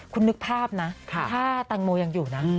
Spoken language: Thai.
คุณนึกภาพนะถ้าแตงโมยังอยู่นะ